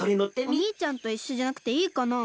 おにいちゃんといっしょじゃなくていいかなあ。